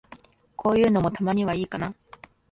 こういうのも、たまにはいいかな。